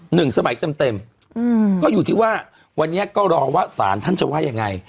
หนึ่งสมัยเต็มเต็มอืมก็อยู่ที่ว่าวันนี้ก็รอว่าสารท่านจะว่ายังไง